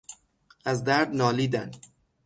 از درد نالیدن